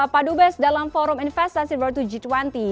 pak dubes dalam forum investasi world to g dua puluh